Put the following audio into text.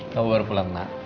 kamu baru pulang ma